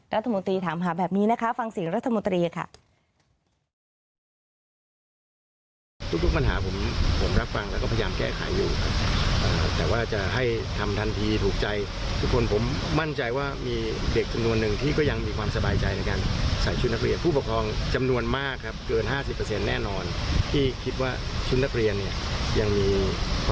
รัฐมนตรีถามหาแบบนี้นะคะฟังเสียงรัฐมนตรีค่ะ